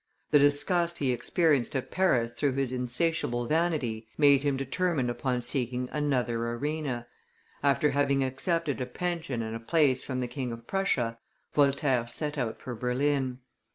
The disgust he experienced at Paris through his insatiable vanity made him determine upon seeking another arena; after having accepted a pension and a place from the King of Prussia, Voltaire set out for Berlin.